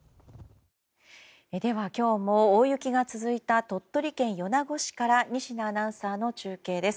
では、今日も大雪が続いた鳥取県米子市から仁科アナウンサーの中継です。